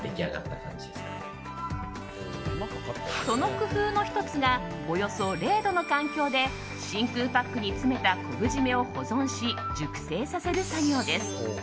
その工夫の１つがおよそ０度の環境で真空パックに詰めた昆布締めを保存し熟成させる作業です。